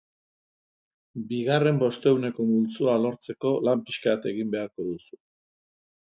Bigarren bostehuneko multzoa lortzeko lan pixka bat egin beharko duzu.